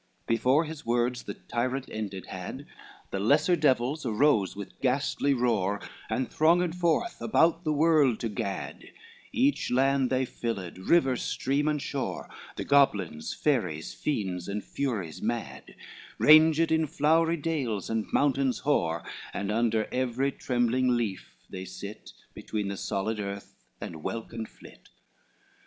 XVIII Before his words the tyrant ended had, The lesser devils arose with ghastly roar, And thronged forth about the world to gad, Each land they filled, river, stream and shore, The goblins, fairies, fiends and furies mad, Ranged in flowery dales, and mountains hoar, And under every trembling leaf they sit, Between the solid earth and welkin flit.